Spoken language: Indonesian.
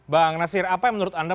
bang nasir apa yang menurut anda